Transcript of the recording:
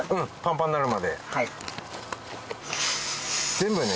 ・全部ね。